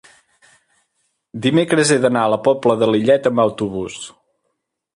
dimecres he d'anar a la Pobla de Lillet amb autobús.